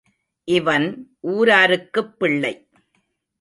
இவன் ஊராருக்குப் பிள்ளை.